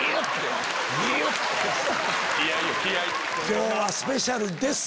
今日はスペシャルです。